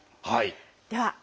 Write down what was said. はい。